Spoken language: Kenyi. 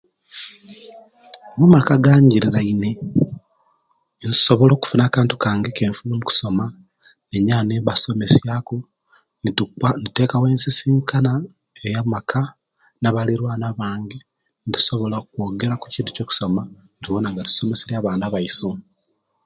Mumaka aganjiliraina nsobola kufuna kantu kange kafuna mukusoma ninjaba nimbasomesaku nitutekawo ensisinkana eyamaka nebalirwana bange netusobola okwogera ku bintu bwo'kusoma netubona nga tusomeselye abaana baisu.